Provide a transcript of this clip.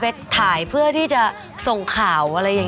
เป็นอัลบั้มชุดนี้พอออกอัลบั้มชุดนี้ปุ๊บ